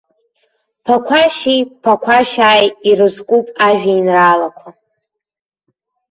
Ԥақәашьи ԥақәашьааи ирызкуп ажәеинраалақәа.